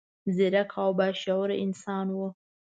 ځیرک او با شعوره انسان و.